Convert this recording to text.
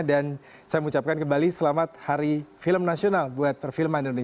dan saya mengucapkan kembali selamat hari film nasional buat perfilman indonesia